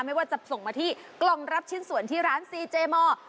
ไม่ว่าจะส่งมาที่กล่องรับชิ้นส่วนที่ร้านซีเจมอร์